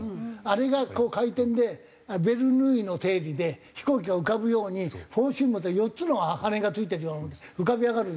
あれが回転でベルヌーイの定理で飛行機が浮かぶようにフォーシームだと４つの羽が付いてるように浮かび上がるような感じ。